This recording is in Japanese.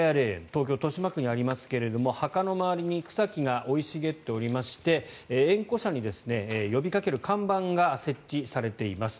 東京・豊島区にありますけど墓の周りに草木が生い茂っておりまして縁故者に呼びかける看板が設置されています。